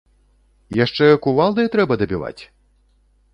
Яшчэ кувалдай трэба дабіваць?